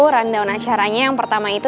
rundown acaranya yang pertama itu